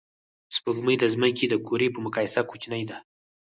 سپوږمۍ د ځمکې د کُرې په مقایسه کوچنۍ ده